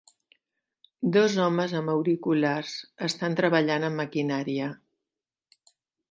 Dos homes amb auriculars estan treballant amb maquinària.